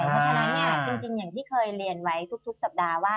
เพราะฉะนั้นจริงอย่างที่เคยเรียนไว้ทุกสัปดาห์ว่า